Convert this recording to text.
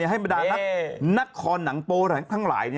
บรรดานักคอหนังโป๊ทั้งหลาย